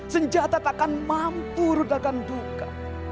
senjata takkan mampu rudakan duka